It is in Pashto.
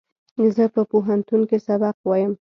زه په پوهنتون کښې سبق وایم